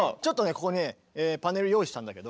ここにねパネル用意したんだけど。